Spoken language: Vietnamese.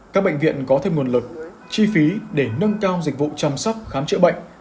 các bệnh viện có thêm nguồn lực chi phí để nâng cao dịch vụ chăm sóc khám chữa bệnh